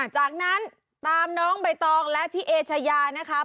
จากนั้นตามน้องใบตองและพี่เอชายานะคะ